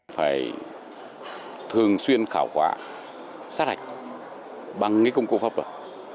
phải thường xuyên khảo quả xác đạch bằng những công cụ pháp luật